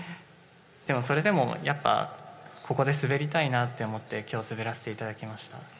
でも、それでもここで滑りたいなと思って今日、滑らせていただきました。